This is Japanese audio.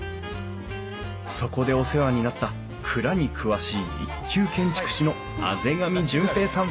そこでお世話になった蔵に詳しい一級建築士の畔上順平さん